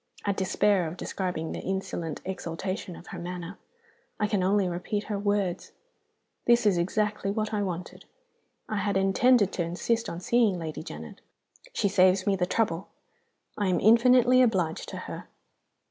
I despair of describing the insolent exultation of her manner. I can only repeat her words: 'This is exactly what I wanted! I had intended to insist on seeing Lady Janet: she saves me the trouble. I am infinitely obliged to her.